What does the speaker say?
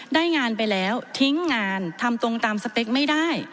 ได้งานไปแล้วทิ้งงานทำตรงตามสเปคไม่ได้